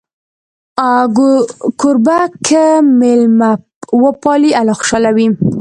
کوربه که میلمه وپالي، الله خوشحاله وي.